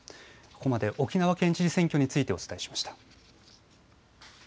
ここまで沖縄県知事選挙についてお伝えしました。